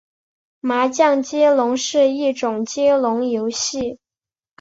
麻将接龙是一种接龙游戏。